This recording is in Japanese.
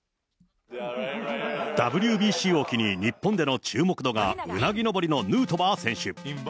ＷＢＣを機に日本での注目度がうなぎ登りのヌートバー選手。